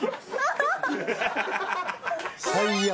最悪。